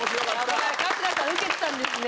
春日さん受けてたんですね。